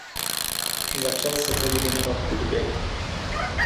Začal se tedy věnovat hudbě.